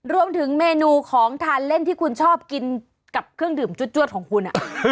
รวมถึงเมนูของทานเล่นที่คุณชอบกินกับเครื่องดื่มจวดของคุณ